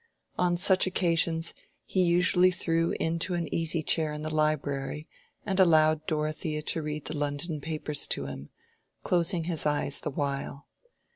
On such occasions he usually threw into an easy chair in the library, and allowed Dorothea to read the London papers to him, closing his eyes the while.